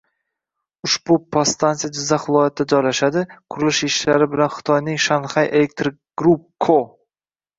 Ushbu podstansiya Jizzax viloyatida joylashadi, qurilish ishlari bilan Xitoyning Shanghai Electric Group Co